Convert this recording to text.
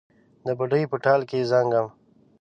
د بوډۍ په ټال کې زانګم